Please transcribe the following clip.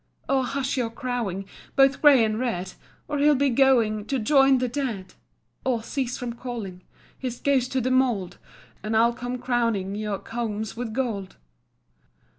"Oh, hush your crowing, Both grey and red, Or he'll be going To join the dead; Or, cease from calling His ghost to the mould, And I'll come crowning Your combs with gold."